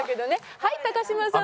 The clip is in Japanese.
はい嶋さん。